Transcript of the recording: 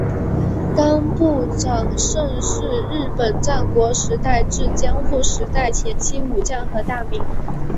冈部长盛是日本战国时代至江户时代前期武将和大名。